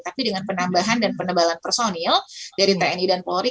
tapi dengan penambahan dan penebalan personil dari tni dan polri